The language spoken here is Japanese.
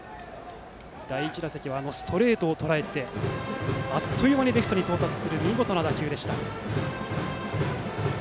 第１打席はストレートをとらえてあっという間にレフトに到達する見事な打球でした。